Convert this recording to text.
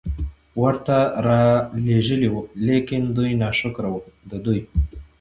ورته را ليږلي وو، ليکن دوی ناشکره وو، د دوی